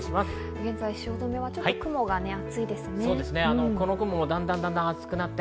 現在汐留はちょっと雲が厚いですね。